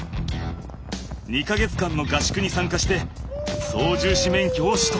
２か月間の合宿に参加して操縦士免許を取得。